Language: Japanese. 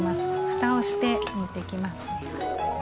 ふたをして煮ていきますね。